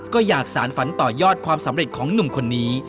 ก็อยากสารฝันต่อยอดความสำเร็จของหนุ่มคนนี้